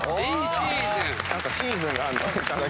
シーズンがあるのね。